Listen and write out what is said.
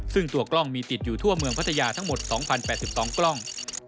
ซึ่งตัวกล้องมีติดอยู่ทั่วเมืองพัทยาทั้งหมด๒๐๘๒กล้อง